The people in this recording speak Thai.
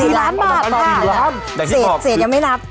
อย่างที่บอกเสร็จยังไม่นับ